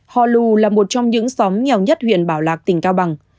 họ lù là một trong những xóm nghèo nhất huyện bảo lạc tỉnh cao bằng